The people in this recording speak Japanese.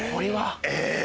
え！